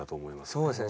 そうですね。